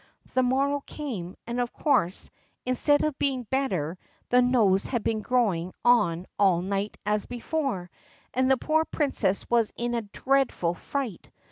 The morrow came, and, of course, instead of being better, the nose had been growing on all night as before; and the poor princess was in a dreadful fright.